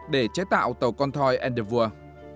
để chế tạo tàu con thoi endeavour